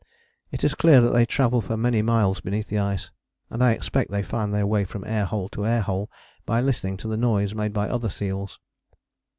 It is clear that they travel for many miles beneath the ice, and I expect they find their way from air hole to air hole by listening to the noise made by other seals.